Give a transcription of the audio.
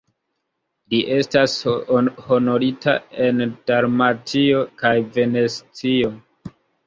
Li estas honorita en Dalmatio kaj Venecio.